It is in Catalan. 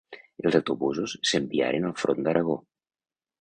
Els autobusos s'enviaren al Front d'Aragó.